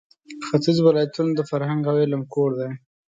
ختیځ ولایتونه د فرهنګ او علم کور دی.